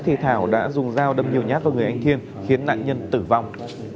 thì thảo đã dùng dao đâm nhiều nhát vào người anh thiên khiến nạn nhân tử vong